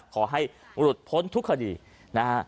ขอให้หลุดพ้นทุกคดีนะฮะ